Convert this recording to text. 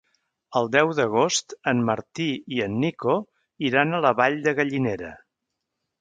El deu d'agost en Martí i en Nico iran a la Vall de Gallinera.